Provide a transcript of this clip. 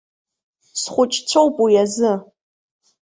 Схәыҷцәоуп уи азы.